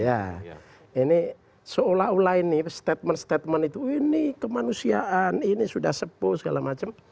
ya ini seolah olah ini statement statement itu ini kemanusiaan ini sudah sepuh segala macam